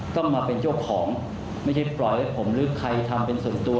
ต้องมาเป็นเจ้าของไม่ใช่ปล่อยให้ผมหรือใครทำเป็นส่วนตัว